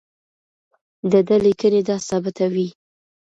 د ده لیکنې دا ثابتوي.